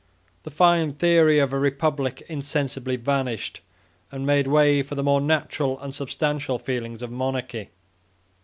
The fine theory of a republic insensibly vanished, and made way for the more natural and substantial feelings of monarchy.